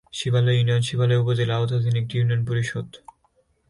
শিবালয় union Shibalaya উপজেলার আওতাধীন একটি ইউনিয়ন পরিষদ।